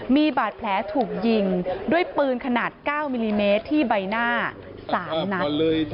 มีบาดแผลถูกยิงด้วยปืนขนาด๙มิลลิเมตรที่ใบหน้า๓นัด